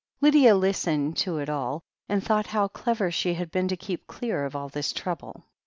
Lydia listened to it all, and thought how clever she had been to keep clear of all this Rouble.